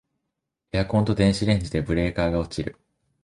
エアコンと電子レンジでブレーカー落ちる